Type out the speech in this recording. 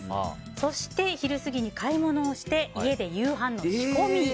そして、昼過ぎに買い物をして家で夕飯の仕込み。